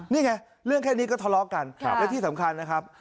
นี่ไงเรื่องแค่นี้ก็ทะเลาะกันและที่สำคัญนะครับ